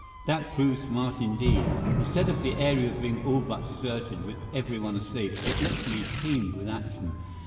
That proved smart indeed. Instead of the area being all but deserted, with everyone asleep, it literally teemed with action.